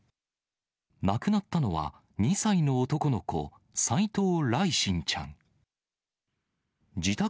亡くなったのは、２歳の男の子、斉藤來心ちゃん。